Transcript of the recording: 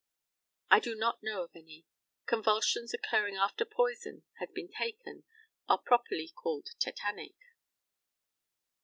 I do not know of any; convulsions occurring after poison has been taken are properly called tetanic.